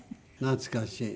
懐かしい。